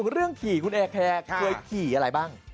เรื่องขี่คุณแอร์แคร์เคยขี่อะไรบ้าง